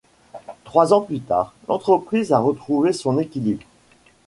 Trois ans plus tard, l'entreprise a retrouvé son équilibre.